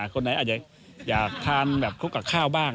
คนไหนอาจจะอยากทานแบบคลุกกับข้าวบ้าง